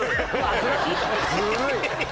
ずるい。